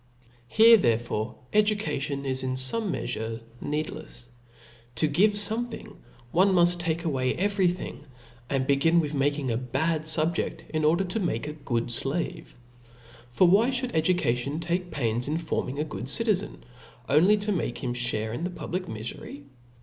Here therefore education is in fonie meafureneed lefs : to give fomcthing, one muft take away every thing ; and begin with making a bad fubjedt, in order to niake a good (lave. For why (hould education take pains in forming a gogd citizen, only to make him (hare in the pub lic mifery